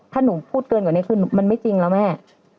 ถ้าหนูพูดเกินกว่านี้คือมันไม่จริงแล้วแม่